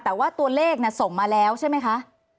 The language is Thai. แต่ว่าตัวเลขส่งมาแล้วใช่ไหมคะ